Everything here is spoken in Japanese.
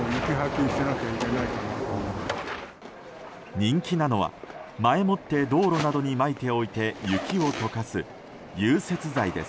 人気なのは、前もって道路などにまいておいて雪を解かす融雪剤です。